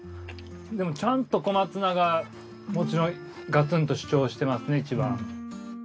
でもちゃんと小松菜がもちろんガツンと主張してますねいちばん。